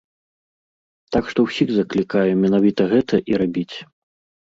Так што ўсіх заклікаю менавіта гэта і рабіць.